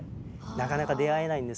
なかなか出会えないけど。